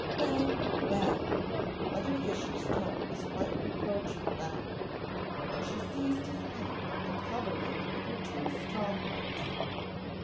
"Ben, Ben!" Mother Fisher's tone was quite reproachful now, and she seized his hand and covered it with her two strong ones.